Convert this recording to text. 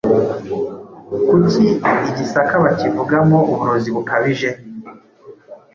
Kuki i Gisaka bakivugamo uburozi bukabije?